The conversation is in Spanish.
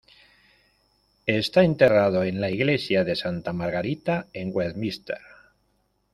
Está enterrado en la iglesia de Santa Margarita en Westminster.